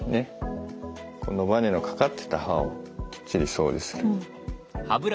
このバネのかかっていた歯をきっちり掃除する。